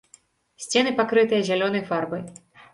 Сцены пакрытыя зялёнай фарбай.